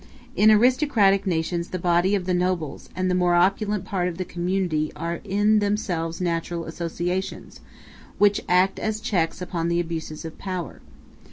In aristocratic nations the body of the nobles and the more opulent part of the community are in themselves natural associations, which act as checks upon the abuses of power.